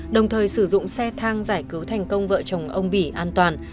đồng thời sử dụng xe thang giải cứu thành công vợ chồng ông bỉ an toàn